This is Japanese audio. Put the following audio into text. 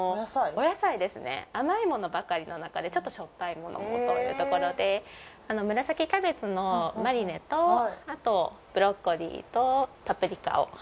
お野菜ですね甘いものばかりのなかでちょっとしょっぱいものをというところで紫キャベツのマリネとあとブロッコリーとパプリカをそえさせていただきました。